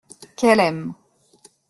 Qu’elle aime.